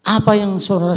apa yang saudara